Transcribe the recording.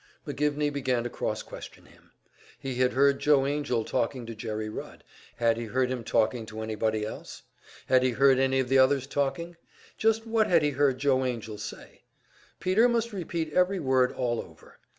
McGivney began to cross question him. He had heard Joe Angell talking to Jerry Rudd; had he heard him talking to anybody else? Had he heard any of the others talking? Just what had he heard Joe Angell say? Peter must repeat every word all over.